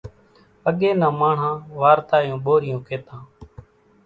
اڳيَ نان ماڻۿان وارتاريون ٻورِيون ڪيتان۔